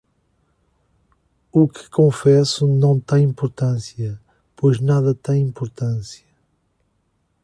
O que confesso não tem importância, pois nada tem importância.